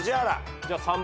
じゃあ３番。